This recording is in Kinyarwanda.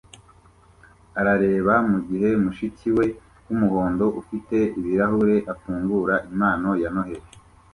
arareba mugihe mushiki we wumuhondo ufite ibirahure afungura impano ya Noheri